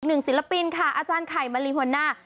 อีกหนึ่งศิลปินค่ะอาจารย์ไข่มะลิหวันน่า